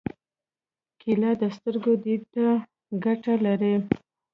کېله د سترګو دید ته ګټه لري.